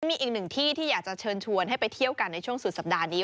มีอีกหนึ่งที่ที่อยากจะเชิญชวนให้ไปเที่ยวกันในช่วงสุดสัปดาห์นี้